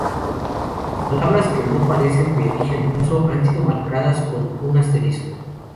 Las palabras que no parecen de origen ruso han sido marcadas con un asterisco